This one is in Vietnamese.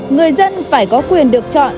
người dân phải có quyền được chọn